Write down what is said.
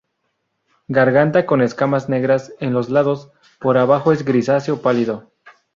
Garganta con escamas negras en los lados; por abajo es grisáceo pálido.